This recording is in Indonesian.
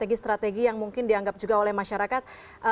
strategi strategi yang mungkin dianggap juga oleh masyarakat